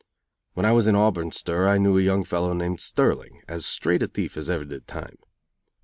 When I was in Auburn stir I knew a young fellow named Sterling, as straight a thief as ever did time.